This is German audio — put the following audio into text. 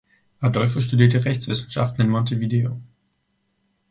Adolfo studierte Rechtswissenschaften in Montevideo.